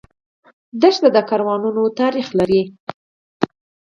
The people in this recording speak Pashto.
دښته د کاروانونو تاریخ لري.